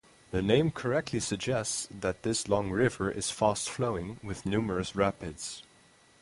The name correctly suggests that this long river is fast flowing, with numerous rapids.